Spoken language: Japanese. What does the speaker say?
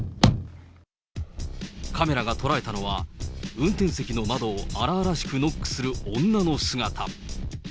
カメラが捉えたのは、運転席の窓を荒々しくノックする女の姿。